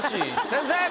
先生！